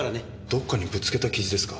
どっかにぶつけた傷ですか？